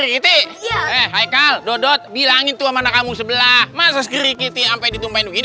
gitu ya hai kal dodot bilang itu mana kamu sebelah masa skripti sampai ditumpahin gini